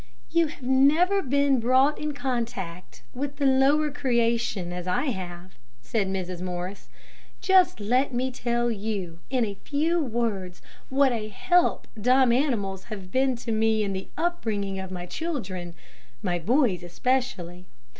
"You have never been brought in contact with the lower creation as I have," said Mrs. Morris; "just let me tell you, in a few words, what a help dumb animals have been to me in the up bringing of my children my boys, especially.